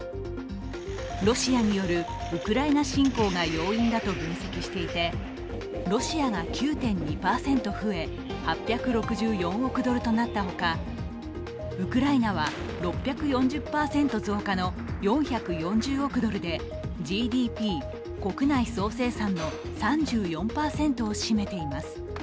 ロシアによるウクライナ侵攻が要因だと分析していてロシアが９．２％増え８６４億ドルとなったほかウクライナは６４０％増加の４４０億ドルでＧＤＰ＝国内総生産の３４％を占めています。